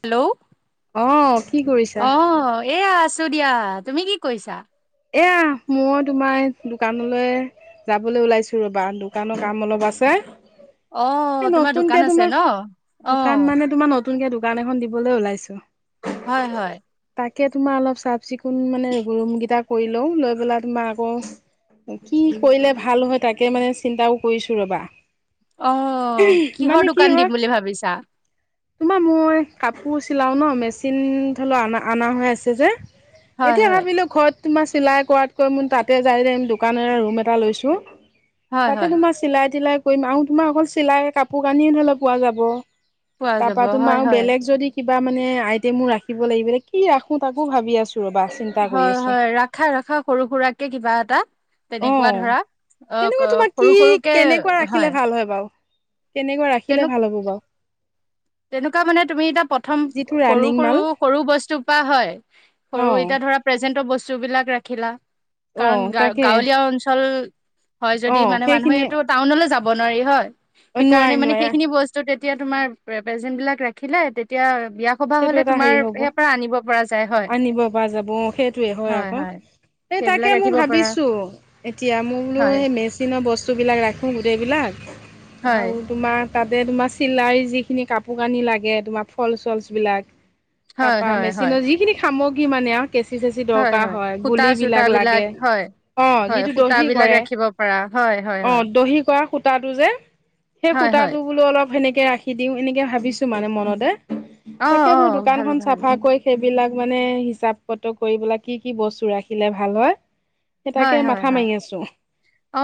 Hello অ', কি কৰিছা? অ' এয়া আছে দিয়া তুমি কি কৰিছা? এয়া মই তোমাৰ দোকানলৈ যাবলৈ ওলাইছোঁ ৰ'বা দোকানৰ কাম অলপ আছে। অ এই তোমাৰ দোকান নতুনকে আছে ন তোমাৰ অ দোকান মানে তোমাৰ নতুন নতুনকে দোকান এখন দিবলৈ ওলাইছোঁ, হয় হয় তাক কে তোমাৰ অলপ চাফ চিকুণ মানে ৰুম কেইটা কৰি লওঁ, লৈ পেলাই তোমাৰ আকৌ কি কৰিলে ভাল হয় তাকে মানে চিন্তাও কৰিছোঁ ৰ'বা। অ' কিহৰ মানে কি দোকান হয় দিম বুলি ভাবিছাঁ? তোমাৰ মই কাপোৰ চিলাও ন মেচিন [unintelligible] অনা হৈ আছে যে হয় এতিয়া হয় ভাবিলোঁ ঘৰত তোমাৰ চিলাই কৰাতকৈ মোৰ তাতে যায় দোকানৰে ৰুম এটা লৈছোঁ। হয় তাতে হয় তোমাৰ চিলাই তিলাই কৰিম আৰু তোমাৰ অকল চিলাই কাপোৰ-কানিও ধৰিলেও পোৱা যাব। পোৱা যাব তাৰাপা হয় তোমাৰ হয় বেলেগ যদি কিবা মানে আইটেমো ৰাখিব লাগিব কি ৰাখোঁ তাকো ভাৱি আছোঁ ৰ'বা চিন্তা কৰি আছোঁ। ৰা ৰখা সৰু সুৰাকে কিবা এটা। তেনেকুৱা অ', ধৰা অ তেনেকুৱা তোমাৰ সৰু সৰুকে হয়। তেনেকুৱা তেনে ৰাখিলে ভাল হ'ব বাৰু। তেনেকুৱা মানে তুমি এতিয়া প্ৰথম যিটো সৰু ৰানিং মাল সৰু সৰু বস্তু পৰা হয়, সৰু অ', এতিয়া ধৰা প্ৰেজেন্টৰ বস্তু বিলাক ৰাখিলা অ', কাৰণ গ তাকে গাঁৱলীয়া অঞ্চল হয় যদি অ', মানে সেইখিনি মানুহেটো টাউনলৈ যাব নোৱাৰি হয় নোৱাৰি সেইকাৰণে মানে নোৱাৰি সেইখিনি বস্তু তেতিয়া তোমাৰ প্ৰেজেন্ট বিলাক ৰাখিলে তেতিয়া বিয়া-সভা সেইটো হ'লে এটা তোমাৰ হেৰি হ'ব পৰা আনিব পৰা যায় হয় আনিব পৰা যাব অ', সেইটোৱে হয় আকৌ। হয়। এই তাকে সেইবিলাক মই ৰাখিব পৰা ভাবিছোঁ এতিয়া মই বোলো হয় সেই মেচিনৰ বস্তু বিলাক ৰাখোঁ গোটেইবলাক। হয় আৰু তোমাৰ তাতে তোমাৰ চিলাই যিখিনি কাপোৰ- কানি লাগে তোমাৰ ফলচ-চলচ বিলাক তাৰ হয় পৰা হয় হয় মেচিনৰ যিখিনি সামগ্ৰী মানে। কেঁচি-চেচি দৰকাৰ হয় গুলী বিলাক লাগে। অ হয় যিটো দহি সূতাবিলাক কৰে ৰাখিব পৰা হয় হয় অ হয় দহি কৰা সূতাটো যে সেই হয় হয় সূতাটো বোলো অলপ সেনেকে ৰাখি দিওঁ এনেকে ভাবিছোঁ মানে মনতে। অ তাকে অ বোলো ভাল দোকানখন ভাল চাফা কৰি থ বিলাক মানে হিচাপ কত কৰিবেলে কি কি বস্তু ৰাখিলে ভাল হয়। স তাকে হয় হয় মাথা হয় মাৰি আছোঁ অ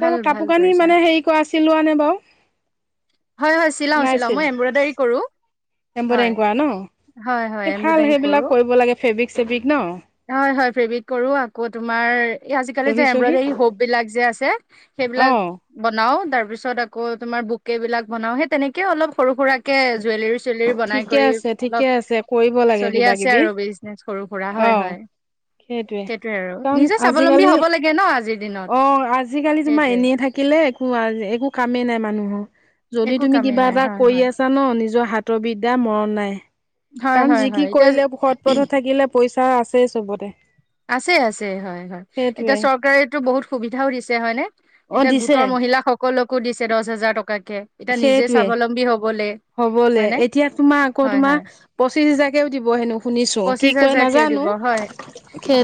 ভাল ভাল কাপোৰ-কানি কৰিছা মানে হেৰি কৰা চিলোৱা নে বাৰু? হয় হয় চিলাও চিলাও মই এম্ব্ৰইডাৰী কৰোঁ। এম্বইডাৰী কৰা ন? ভাল কৰো সেইবিলাক কৰিব লাগে ফেব্ৰিক চেব্ৰিক ন? হয় হয় ফেব্ৰিক কৰোঁ আকৌ তোমাৰ আজিকালি যে দহি চহি এমব্ৰইডাৰী হোব বিলাক যে আছে অ সেইবিলাক বনাও তাৰ পিছত আকৌ তোমাৰ বুকে বিলাক বনাও সেই তেনেকেও অলপ সৰু সুৰাৰাকে জুৱেলৰ চুলিৰ বনাই ঠিকে কৰি আছে ঠিকে অলপ আছে কৰিব লাগে চলি কিবা আছে কিবি আৰু বিজনেচ সৰু সুৰা অ হয় হয় সেইটোৱে সেইটোয়ে আৰু কাৰণ নিজে স্বাৱলম্বী আজিকালি হব লাগে ন আজি অ আজিকালি তোমাৰ এনেই থাকিলে একো একো কামেই নাই মানুহৰ যদি একো তুমি কামেই কিবা নাই এটা হয় কৰি হয় আছা ন নিজৰ হাতৰ বিদ্যা মৰণ নাই হয় কাৰণ হয় যি হয় কি এতিয়া কৰিলে সৎ পথত থাকিলে পইচা আছেই চবতে আছে আছে হয় হয় এতিয়া সেইটোৱে চৰকাৰেটো বহুত সুবিধাও দিছে হয়নে অ এতিয়া দিছে গোটৰ মহিলা সকলকো দিছে দহ হোজাৰ টকাকে এতিয়া নিজে সেইটোৱে স্বাৱলম্বী হবলৈ হ'বলে এতিয়া তোমাৰ আকৌ তোমাৰ পঁচিশ হোজাৰ কেেও দিব হেন পঁচিছ হাজাৰকও দিব হয়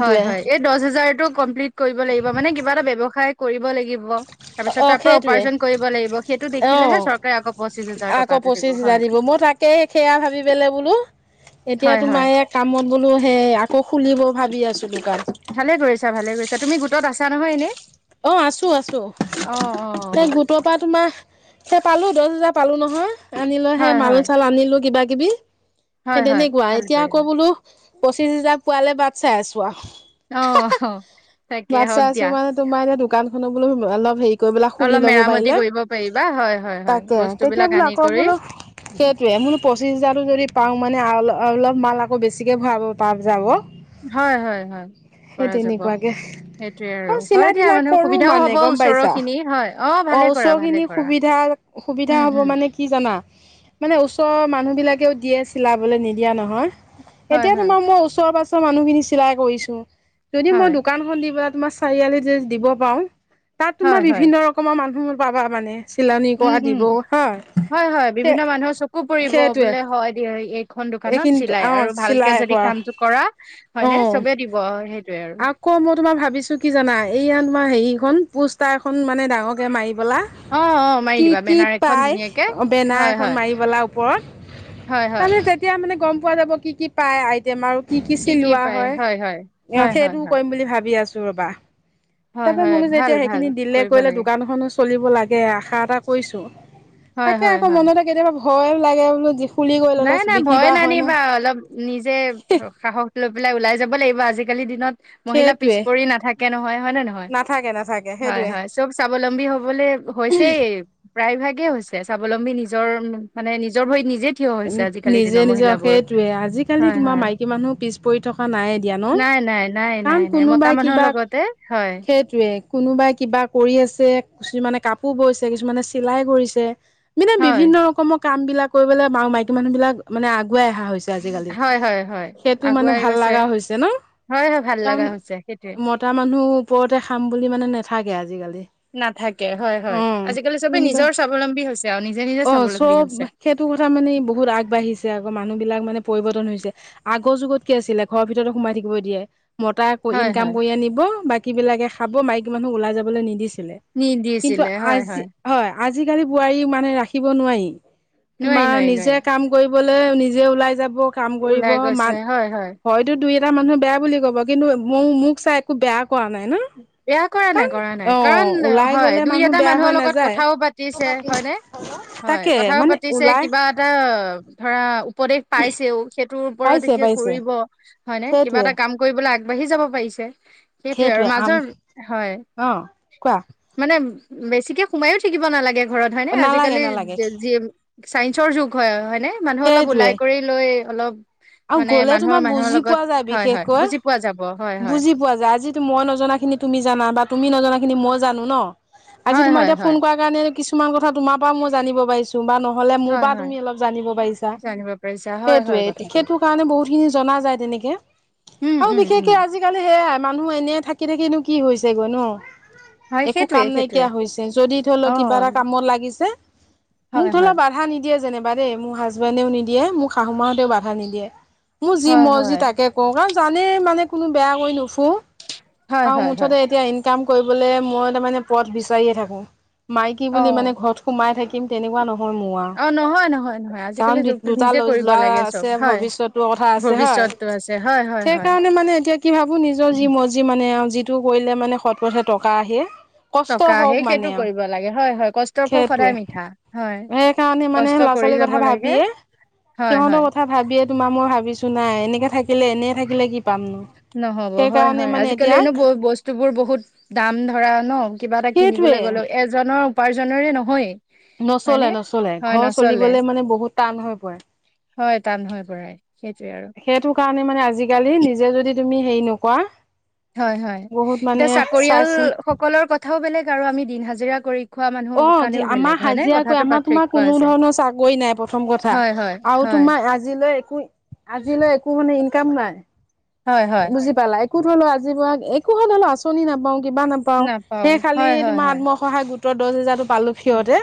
হয় হয় এই দহ হাজাৰতোক কমপ্লিট কৰিব লাগিব মানে কিবা এটা ব্যৱসায় কৰিব লাগিব ি্ ল অ সেইটোৱে সেইটোেে অ চৌ পি দিব জ হয়। দিব মই তাকেই সেয়া ভাবি পেললৈ বোলো হয় এতিয়াতো হয় মায়ে কামত বোলো সেই আকৌ খুলিব ভাবি আছো কাৰণ ভালে কৰিছা ভালে কৰিছা তুমি গোটত আছা নহয় এনেই অ আছো আছো অ অ স গোটৰ পৰা তোমাৰ স পালো দহ হজাৰ পালো নহয় আনিলোহে হয় মাল হয় চাল আনিলো কিবা কিবি হয় সেই হয় তেনেকুৱা ভাল এতিয়া আকৌ কৰিলা বোলো পঁচিছ হোজাৰ পোৱালে বাট চাই আছো আৰু অ তাকে বাট হ চাই আছো দিয় মানে তোমাৰ এনে দোকানখননৰ বো অলপ হেৰি গৈ পেলা খুলি অলপ ল'ব মেৰামতি পাৰিলে কৰিব পাৰিবা হয় হয় হয় তাকে তেতিয়া বস্তুবিলাক বোলো আনি আকৌ কৰি বোল সেইটোৱে মোৰ পঁচিশ হাজাৰো যদি পাওঁ মানে অ অলপ মাল আকৌ বেছিকে ভৰাব প যাব হয় হয় হয় সেই কৰা যাব তেনেকুৱাকে সেইটোোৱে আৰু হয় চিলাই দিয়া তিলাই মানে কৰো সুবিধাও মানে হ'ব গম ওচৰৰ পাইছা। খিনি হয় অ ভালে কৰা ওচৰ ভালে খিনি কৰা সুবিধা সুবিধা উম, হব উম, মানে কি জানা মানে ওচৰৰ মানুহ বিলাকেও দিয়ে চিলাবলৈ নিদিয়া নহয় হয়, এতিয়া হয়, তোমাৰ মই ওচৰ পাঁাজৰ মানুহখিনি চিলাই কৰিছো যদি মই হয়, দোকান খ দি প তোমাৰ চাৰিআলিত যে দিব পাৰও তাত তোমাৰ হয়, হয়, বিভিন্ন ৰকমৰ মানুহ পাবা মানে চিলনি উম কৰা উম দিব হা হয় হয় সেই বিভিন্ন মানুহৰ চকু পৰিব সেইটোৱে বোলে হয় দ এখন দোকানত এইখিনিতো চিলাই অ আৰু ভালকে চিলাই যদি কৰা কামতটো কৰা অ হয়নে চবে দিব। সেইটোয়ে আৰু আকৌ মই তোমাৰ ভাবিছো কি জানা এয়া তোমাৰ হেৰিখন পোষ্টাৰখন মানে ডাঙৰকে মাৰি কি কলা অ', অ', মাৰি কি দিবা কি বেনাৰ এখন ধুনীয়াকে পায় বেনাৰ হয়, এখন হয়, মাৰি পেলা হয়, হয়, ওপৰত তেতিয়া মানে গম পোৱা যাব কি কি পায় আইটেম আৰু কি কি চিলোৱা হয় অ', সেইটোও কৰিম বুলি ভাবি আছো ৰবা। তাৰ হয়, পৰা হয়, মোলো ভাল যেতিয়া ভাল সেইখিনি দিলে কৰিব কৰিলে লাগে দোকানখনো চলিব লাগে আশা এটা কৰিছো হয়, তাকে হয়, আকৌ হয়। মনতে কেতিয়াবা ভয় লাগে বোলো খুলি কৰি ললে নাই নাই বিক্ৰী ভয় বা হয় নে নানিবা অলপ নিজে সাহস লৈ পাই ওলাই যাব লাগিব আজিকালি দিনত মহিলা পিছ সেইটোৱে পৰি নাথাকে নহয় হয় নে নহয়। নাথাকে নাথাকে সেইটোৱে হয়-হয় চব স্বাৱলম্বী হ'বলে হৈছেই প্ৰায় ভাগেই হৈছে স্বাৱলম্বী নিজৰ মানে নিজৰ ভৰিত নিজে থিয় হৈছে আজিকালি দিনৰ নিজে-নিজে অ', মহিলাবোৰ সেইটোৱে আজিকালি হয় তোমাৰ হয় মাইকী মানুহ পিছ পৰি থকা নাই এ দিয়া ন কাৰণ নাই-নাই-নাই-নাই মতা কোনোবাই মানুহৰ কিবা লগতে হয়। সেইটোৱে কোনোবাই কিবা কৰি আছে কিছুমানে কাপোৰ বৈছে কিছুমানে চিলাই কৰিছে। মানে হয় বিভিন্ন ৰকমৰ কাম বিলাক কৰিবলে বা মাইকী মানুহ বিলাক মানে আগুৱাই অহা হৈছে। হয় হয় হয় আগুৱাই গৈছে [unintelligible] হয় হয় ভাল কাৰণ লগা হৈছে সেইটোৱে মতা মানুহ ওপৰতে খাম বুলি মানে নাথাকে আজিকালি নাথাকে অ হয়-হয় আজিকালি চবে কোনোবা নিজৰ স্বাৱলম্বী হৈছে আৰু নিজে নিজে অ স্বাৱলম্বী চব হৈছে। সেইটো [unintelligible] বহুত আগবাঢ়িছে আকৌ মানুহ বিলাক মানে পৰিবৰ্তন হৈছে আগৰ যুগত কি আছিলে ঘৰৰ ভিতৰতো সোমাই থাকিব দিয়ে। মতা হয় ইনকাম হয় কৰি আনিব বাকী বিলাকে খাব মাইকী মানুহ ওলাই যাবলৈ নিদিছিল কিন্তু নিদিছিলে হয় আজি হয় আজিকালি বোৱাৰী মানুহে ৰাখিব নোৱাৰি, নোৱাৰি তোমাৰ নোৱাৰি নোৱাৰি নিজে কাম কৰি নিজে ওলাই যাব কাম কৰিব ওলাই ম গৈছে হয় হয় হয়তো এটা মানুহে বেয়া বুলি ক'ব কিন্তু মই মোক চাই একো বেয়া কৰা নাই কাৰণ কৰা নাই অ কাৰণ ওলাই হয় গলে দুই মানুহ এটা বেয়া মানুহৰ হৈ লগত নাযায় কথাও পাতিছে হয়নে। হয় তাকে মানে পিছে ওলাই কিবা এটা ধৰা উপদেশ পাইছেও সেইটোৰ ওপৰত পাইছে এতিয়া পাইছে কৰিব হয় নে কিবা সেইটোৱে এটা কাম কৰিবলৈ আগবাঢ়ি সেইটোৱে যাব আম হয় অ কোৱা মানে বেছিকে সোমায়ো থাকিব নালাগে ঘৰত হয়নে আজিকালি নালাগে নালাগে হয় হয়নে মানুহ অলপ সেইটোৱে ওলাই কৰি লৈ অলপ আৰু মানে গ'লে মানুহৰ তোমাৰ মানুহৰ বুজি লগত পোৱা যায় হয় হয় বিশেষকৈ বুজি পোৱা যাব হয় হয় বুজি পোৱা যায় আজিটো মই নজনাখিনিটো হয় হয় হয় কিছুমান কথা নহলে মোৰ হয় পৰা হয় তুমি অলপ জানিব পাৰিছা জানিব পাৰিছা হয় হয় সেইটোয়ে কথাটো সেইটো কাৰণে বহুত খিনি জনা যায় তেনেকে উম আৰু উম উম বিশেষকে আজিকালি সেইয়াই মানুহ এনে থাকি থাকিনো কি হৈছেগৈ ন হয় একো সেইটোৱে কাম সেইটোৱে নাইকিয়া হৈছে যদি ধৰি অ লওক কিবা এটা কামত লাগিছে মোক হয় ধৰি ল হয় বাধা নিদিয়ে যেনিবা দেই মোৰ হাজবেণ্ডেও নিদিয়ে মোক শাহু মা হঁতেও বাধা নিদিয়ে মোৰ যি হয় মৰজি হয় তাকে কওঁ কাৰণ জানে মানে কোনো বেয়া কৈ নুফো হয় আৰু হয় হয় মুঠতে এতিয়া ইনকাম কৰিবলে মই তাৰ মানে পথ বিচাৰে থাকো মাইকী অ বুলি মানে ঘৰত সোমাই থাকিম তেনেকুৱা নহয় মোৰ অ নহয় নহয় নহয় আও আজিকালি কাৰণ যুগটো দুটা নিজে কৰিব ল'ৰা লাগে চব আছে হয় ভৱিষ্যতৰ কথা আছে হয় ভৱিষ্যতটো আছে হয় হয় হয় সেইকাৰণে মানে এতিয়া কি ভাবো নিজৰ যি মৰ্জি মানে মানে যিটো কৰিলে মানে সৎ পথে টকা আহে কষ্ট টকা হওক সেই মানে সেইটো আও কৰিব লাগে হয় হয় কষ্টৰ ফল সদায় সেইটোৱে মিঠা হয় সেইকাৰণে মানে কষ্ট ল ল'ৰা কৰি ছোৱালীৰ যাব কথা লাগে ভাবিয়ে হয় সিহঁতৰ হয় কথা ভা ভাবিয়ে তোমাৰ মই ভাবিছো নাই এনেকে থাকিলে এনেই থাকিলে কি পামনো নহব হয় সেইকাৰণে হয় মানে আজিকালি এতিয়া এনেও বও বস্তু বোৰ বহু বহুত দাম ধৰা ন কিবা এটা সেইটোৱে কিনিবলৈ গ'লো এজনৰ উপাৰ্জনেৰে নহয় নচলে নচলে ঘৰ চলিবলে মানে বহুত টান হৈ পৰে হয় টান হৈ পৰে সেইটোৱে আৰু সেইটো কাৰণে মানে আজিকালি নিজে যদি তুমি হেৰি নোকোৱা হয় হয় এতিয়া চাকৰিয়াল চিন সকলৰ কথাও বেলেগ আৰু আমি দিন হাজিৰা কৰি খোৱা মানুহৰ অ কাৰণেও আমাৰ বেলেগ হয় নে হাজিৰা কৱে কথাটো আমাৰ তোমাৰ পাৰ্থক্য কোনো আছে ধৰণৰ চাকৰি নাই প্ৰথম কথা হয় হয় আৰু হয় তোমাৰ আজিলৈ একো আজিলৈ একো মানে ইনকাম নাই হয় হয় একোত হ'লেও আজি ব একো স হলেও আঁচনি নাপাও কিবা নাপাও সেই খালি হয় হয় তোমাৰ হয় আত্মসহায়ক গোট দহ হেজাৰটো পালো ফহতে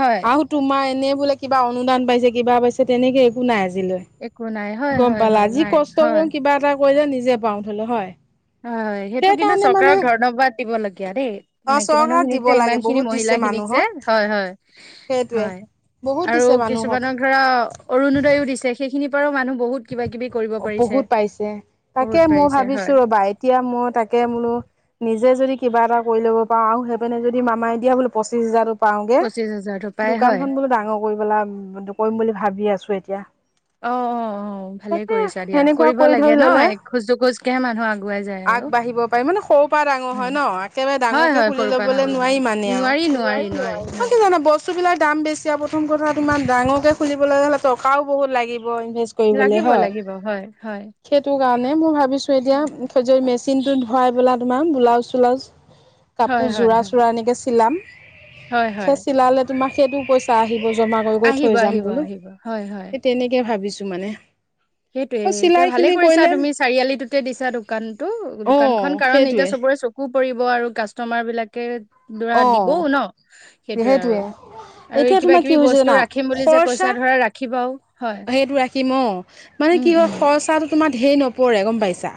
হয় আও তোমাৰ এনে বোলে কিবা অনুদান পাইছে কিবা পাইছে তেনেকে একো নাই আজ আজিলৈ একো নাই হয় গম হয় পালা হয় আজি নাই কষ্ট হয় কৰো কিবা এটা কৰিলে নিজে পাও ধই ল হয় হয় হয় সেইটো কিন্তু সেইকাৰণে মানে চৰকাৰক ধনবাদ দিব লগীয়া দেই অ মাইকী চৰকাৰক মানুহখিনিক দিব যে লাগে ইমান খিনি বহুত মহিলা দিছে খিনিক যে মানুহক হয় হয় সেইটোৱে হয় বহুত আৰু দিছে মানুহক কিছুমানৰ ধৰা অৰুণোদয়ো দিছে সেইখিনিৰ পৰাও মানুহ বহুত কিবা কিবি কৰিব পাৰিছে। বহুত পাইছে তাকে বহুত মই পাৰিছে ভাবিছো হয়, ৰবা এতিয়া মই তাকে বোলো নিজে যদি কিবা এটা কৰি ল'ব পাৰো আৰু সেইপিনে যদি মামাই দিয়া বোলে পঁচিশ হাজাৰটো পাওঁগে পঁচিশ হাজাৰটো পাই হয়। দোকানখন বোলো ডাঙৰ কৰিপেলাই কৰিম বুলি ভাবি আছো এতিয়া অ অ অ ভালে তাকে কৰিছা দিয়া সেনেকুৱা কৰিব কৰি লাগে ধৰি ন ললে এখোজ দুখোজকেহে মানুহ আগুৱাই যায় আৰু আগবাঢ়িব পাৰি মানে সৰুৰ পৰা ডাঙৰ হয় উম, ন একেবাৰে হয়, ডাঙৰকে হয়, খুলি সৰুৰ পৰা ল'বলৈ ডাঙৰ হয়। নোৱাৰি মানে আও নোৱাৰি, নোৱাৰি, নোৱাই নোৱাৰি, নোৱাই অ নোৱাৰি তোমাৰ বস্তু বিলাক দাম বেছি আৰু প্ৰথম কথা ত ইমান ডাঙৰকে খুলিবলৈ হ'লে টকাও বহুত লাগিব ইনভেষ্ট কৰিবলে লাগিব, হয় হয় হয় সেইটো কাৰণে মই ভাবিছো এতিয়া থৈ জৈ মেচিনটোত ধৰাই পেলা তোমাৰ ব্লাউজ চলাউজ হয়, কাপোৰ হয়, হয়, যোৰা হয়, চোৰা এনেকে চিলাম হয়, হয় সেই চিলালে তোমাক সেইটো পইচা আহিব জমা কৰি কয়ি কয়ি আহিব, থৈ যাম আহিব, বোলো আহিব হয়, হয়। সেই তেনেকে ভাবিছো টো মানে সেইটোয়ে অ এতিয়া চিলাই ভালে খিনি কৰিছা কৰিলে তুমি চাৰিআলিটোতে দিছা দোকানটো অ দোকানখন কাৰণ এতিয়া সেইটোৱে চবৰে চকু কৰিব আৰু কাষ্টমাৰ বিলাকে ধৰা অ দিবও ন সেইটোৱে আৰু আৰু এই এতিয়া কিবা তোমাৰ কি কিবি হৈছে বস্তু জানা ৰাখিম বুলি যে কৈছা খৰচা ধৰা ৰাখিবা সেইটো ৰাখিম অ মানে উম কি হয় উম খৰচাটো তোমাৰ ঢেৰ নপৰে গম পাইছা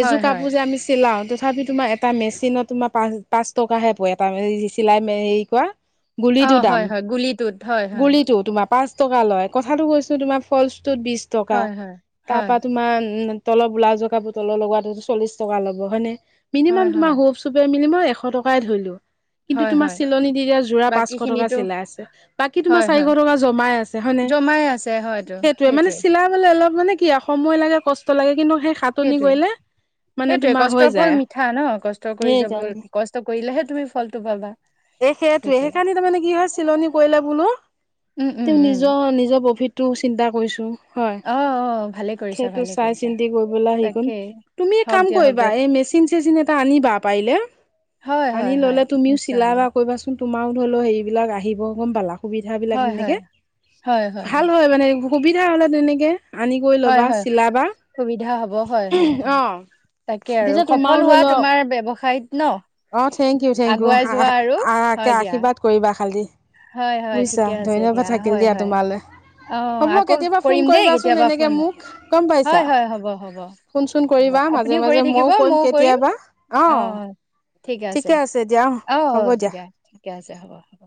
এযোৰ হয় হয় কাপোৰ যে আমি চিলাও তথাপি তোমাৰ এটা মেচিনত তোমাৰ পা পাঁচ টকাহে পৰে এটা চিলাই হেৰি কৰা অ গুলিটো হয় দাম হয় গুলিটোত হয় হয় গুলিটো তোমাৰ পাঁচ টকা লয় কথাটো কৈছো তোমাৰ ফলচটোত বিশ টকা হয় হয় তা পা হয় তোমাৰ উ তলৰ ব্লাজৰ কাপোৰ তলৰ লগটো চল্লিশ টকা ল'ব হয়নে? মিনিমাম হয় তোমাৰ হয় হ চে মিলি মই এশ টকাই ধৰিলো। কিন্তু হয় তোমাৰ হয় চিলনী দিতিয়া যোৰা বাকী পাঁচশ টকা খিনিতো চিলাই আছে বাকী তোমাৰ চাৰিশ টকা জমাই আছে হয়নে? পাই আছে। সেইটোৱে মানে চিলাবলে অলপ মানে কি সময় লাগে কষ্ট লাগে কিন্তু সেই সাতনি কৰিলে মানে সেইটয়ে তোমাৰ হৈ কষ্টৰ ফল যায়। মিঠা ন কষ্ট কৰি যাব সেইকাৰণে। কষ্ট কৰিলেহে তুমি ফলটো পাবা। এ সেইটোৱে সেইকাৰণি তাৰমানে কি হয় চিলনি কৰিলে বোলো উম, উম, তেওঁ উম, নিজৰ নিজৰ প্ৰভিতটো চিন্তা কৰিছো। হয় অ', অ', ভালে কৰিছা, সেইটো ভালে চাই কৰিছা, চিন্তি কৰিবলৈ আহি কোন তাকেই তুমি এই হওক কাম দিয়া, হওক কৰিবা দিয়া, এই মে চিন চেচিন এটা আনিবা পাৰিলে। হয় হয় হয় নিশ্চ চিলাই বা কৰিবাচোন তোমাৰো ধৰি লও হৰিবিলাক আহিব গ'ম পালা। সুবিধাবিলাক হয়, হয়, তেনেকৈ ভাল হয় মানে সুবিধা হ'লে তেনেকে। আনি কৰি হয়, ল'বা হয়, চিলাবা, সুবিধা হ'ব, হয়, হয়, হয়, তাকে অ'। আৰু পিছে সফল তোমাৰও ধৰি হোৱা লওক, তোমাৰ ব্যৱসায়ত ন, অ' থেংক ইউ থেংক ইউ। আগুৱাই যোৱা আৰু কে হয় দিয়া, আশীৰ্বাদ কৰিবা। খালি হয় হয় বুজিছা ঠিকে আছে ধন্যবাদ দিয়া থাকিল হয় হয়। তোমালৈ অ' হ'ব আকৌ কেতিয়াবা ফোন কৰিম দেই কৰিবাচোন কেতিয়াবা এনেকে ফোন, মোক গম পাইছা হয় হয় হ'ব হ'ব। ফোন চোন কৰিবা মাজে আপুনিও কৰি মাজে থাকিব ময়ো ময়ও কৰিম, কেতিয়াবা অ'। ঠিকে আছে অ' অ' দিয়া ঠিকে আছে, হ'ব হ'ব।